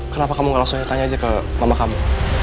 kenapa kamu gak langsung tanya aja ke mama kamu